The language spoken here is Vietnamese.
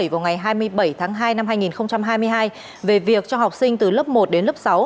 vào ngày hai mươi bảy tháng hai năm hai nghìn hai mươi hai về việc cho học sinh từ lớp một đến lớp sáu